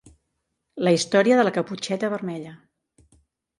La història de la Caputxeta Vermella.